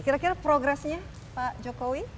kira kira progresnya pak jokowi